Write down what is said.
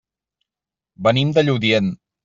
Venim de Lludient.